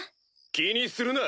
気にするな。